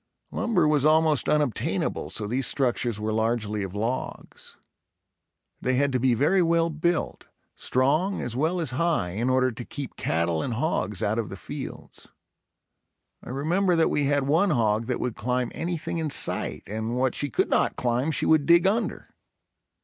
Lumber was almost unobtainable so these structures were largely of logs. They had to be very well built, strong as well as high, in order to keep cattle and hogs out of the fields. I remember that we had one hog that would climb anything in sight and what she could not climb she would dig under.